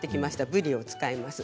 ぶりを使います。